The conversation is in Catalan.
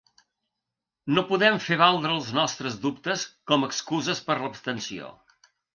No podem fer valdre els nostres dubtes com a excuses per a l’abstenció.